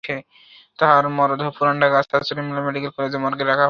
তাঁর মরদেহ পুরান ঢাকার স্যার সলিমুল্লাহ মেডিকেল কলেজ মর্গে রাখা হয়েছে।